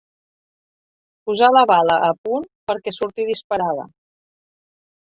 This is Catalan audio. Posar la bala a punt perquè surti disparada.